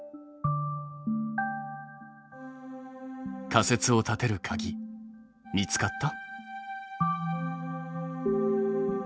仮説を立てるかぎ見つかった？